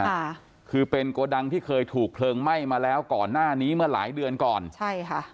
ค่ะคือเป็นโกดังที่เคยถูกเพลิงไหม้มาแล้วก่อนหน้านี้เมื่อหลายเดือนก่อนใช่ค่ะ